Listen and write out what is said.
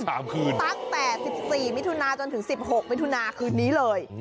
ตั้งแต่๑๔มิถุนาฯจนถึง๑๖มิถุนาฯคืนนี้เลย